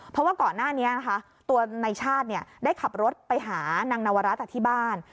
เพราะว่าก่อนหน้านี้นะคะตัวนายชาติเนี่ยได้ขับรถไปหานางนวรัตน์อาทิบ้าน